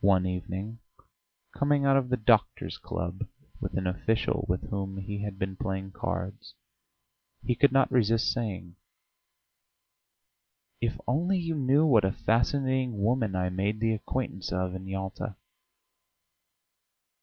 One evening, coming out of the doctors' club with an official with whom he had been playing cards, he could not resist saying: "If only you knew what a fascinating woman I made the acquaintance of in Yalta!"